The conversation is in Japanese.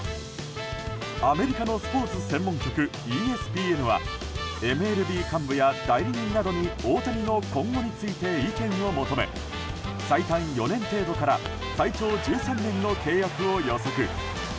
アメリカのスポーツ専門局ＥＳＰＮはＭＬＢ幹部や代理人などに大谷の今後について意見を求め最短４年程度から最長１３年の契約を予測。